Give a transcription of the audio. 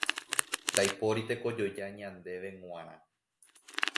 Ndaipóiri tekojoja ñandéve g̃uarã.